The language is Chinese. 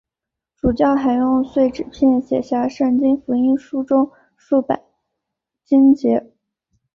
主教还用碎纸片写下圣经福音书中数百经节。